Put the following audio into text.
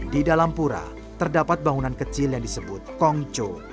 di dalam pura terdapat bangunan kecil yang disebut kongco